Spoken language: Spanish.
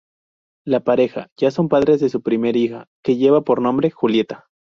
La pareja ya son padres de su primer hija, que lleva por nombre Julieta.